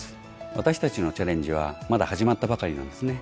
私たちのチャレンジはまだ始まったばかりなんですね。